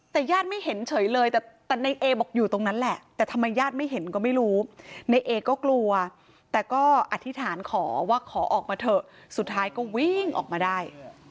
แต่ญาติไม่เห็นเฉยเลยแต่ในเอบอกอยู่ตรงนั้นแหละแต่ทำไมญาติไม่เห็นก็ไม่รู้ในเอก็กลัวแต่ก็อธิษฐานขอว่าขอออกมาเถอะสุดท้ายก็วิ่งออกมาได้